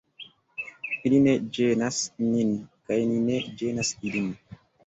Ili ne ĝenas nin, kaj ni ne ĝenas ilin.